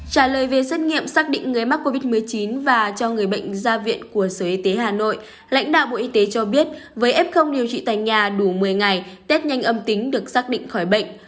trả lời về xét nghiệm xác định người mắc covid một mươi chín và cho người bệnh ra viện của sở y tế hà nội lãnh đạo bộ y tế cho biết với f điều trị tại nhà đủ một mươi ngày tết nhanh âm tính được xác định khỏi bệnh